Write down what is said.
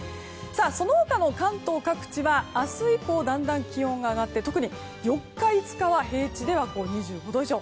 その他の関東各地は明日以降だんだん気温が上がって特に４日、５日は平地では２５度以上。